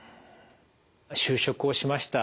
就職をしました。